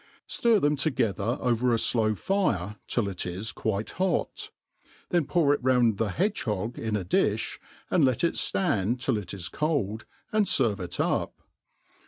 Stir them to * gether over a flow fire till it is quite hot; then pour it round the hedge faoe in a diih, and let it ftand till it is coid, aiid ^ ferve it up.